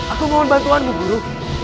aku mohon bantuanmu guru